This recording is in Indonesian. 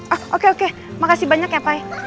ah oke oke makasih banyak ya pai